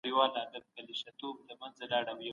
څوک د هوایي چلند د خوندیتوب او کیفیت کنټرول کوي؟